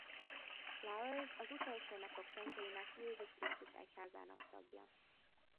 Flowers Az Utolsó Napok Szentjeinek Jézus Krisztus Egyháza-nak tagja.